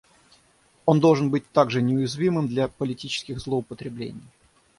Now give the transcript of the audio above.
Он должен быть также неуязвимым для политических злоупотреблений.